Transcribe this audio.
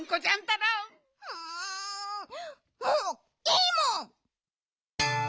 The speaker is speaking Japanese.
うんもういいもん！